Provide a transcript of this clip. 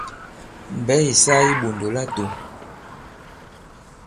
Mbɛ̌ ì sa i iɓòndò latō.